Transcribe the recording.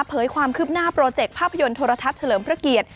ความคืบหน้าโปรเจกต์ภาพยนตร์โทรทัศน์เฉลิมพระเกียรติ